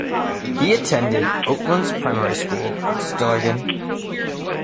He attended Oatlands Primary School in Stillorgan.